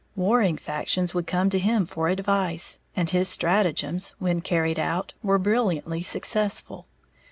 Warring factions would come to him for advice; and his stratagems, when carried out, were brilliantly successful.